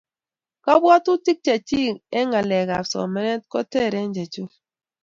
kabwarutik chechik eng' ngalek ab somanet ko ter ak chechuk